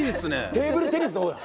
テーブルテニスの方だ。